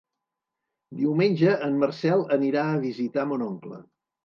Diumenge en Marcel anirà a visitar mon oncle.